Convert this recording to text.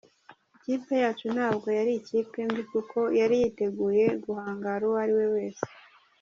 Ikipe yacu ntabwo yari ikipe mbi kuko yari yiteguye guhangara uwo ariwe wese".